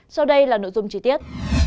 sau đây là nội dung chi tiết